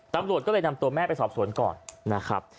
ตำรวจก็เลยนำตัวแม่ไปสอบสวนก่อนนะครับ